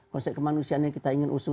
konsep kemanusiaan yang kita ingin usung